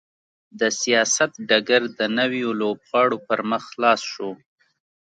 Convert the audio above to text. د سیاست ډګر د نویو لوبغاړو پر مخ خلاص شو.